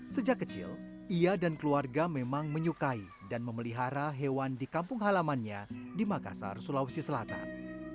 sejak kecil ia dan keluarga memang menyukai dan memelihara hewan di kampung halamannya di makassar sulawesi selatan